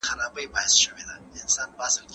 سپينکۍ د مور له خوا مينځل کيږي؟!